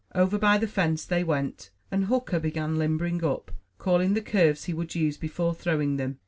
Over by the fence they went, and Hooker began limbering up, calling the curves he would use before throwing them.